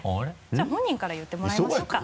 じゃあ本人から言ってもらいましょうか。